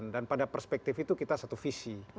dan pada perspektif itu kita satu visi